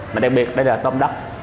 mà đặc biệt đây là tôm đắp